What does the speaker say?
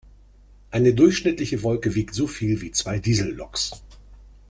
Eine durchschnittliche Wolke wiegt so viel wie zwei Dieselloks.